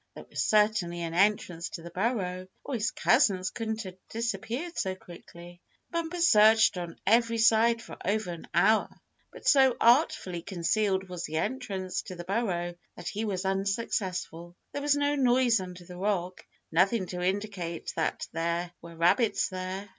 There was certainly an entrance to the burrow, or his cousins couldn't have disappeared so quickly. Bumper searched on every side for over an hour, but so artfully concealed was the entrance to the burrow that he was unsuccessful. There was no noise under the rock nothing to indicate that there were rabbits there.